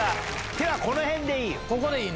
手はこの辺でいい。